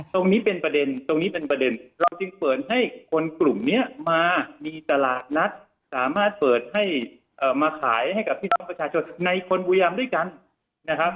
ตรงนี้เป็นประเด็นตรงนี้เป็นประเด็นเราจึงเปิดให้คนกลุ่มนี้มามีตลาดนัดสามารถเปิดให้มาขายให้กับพี่น้องประชาชนในคนบุรีรำด้วยกันนะครับ